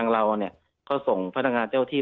เราเนี่ยเขาส่งพันธ์งานเจ้าที่